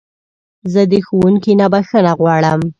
زه د ښوونکي نه بخښنه غواړم.